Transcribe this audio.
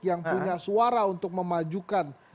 yang punya suara untuk memajukan